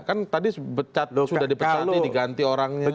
kan tadi sudah dipecat deh diganti orangnya